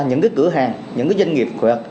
những cái cửa hàng những cái doanh nghiệp